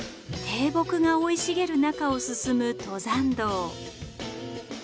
低木が生い茂る中を進む登山道。